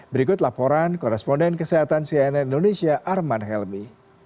berikut laporan koresponden kesehatan cnn indonesia arman helmi